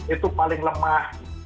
itu paling lemah